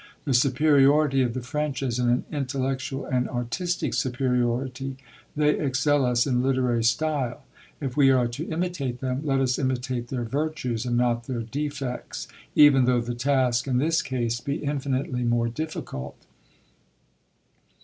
The superiority of the French is an intellectual and artistic superiority; they excel us in literary style. If we are to imitate them, let us imitate their virtues and not their defects, even though the task in this case be infinitely more difficult.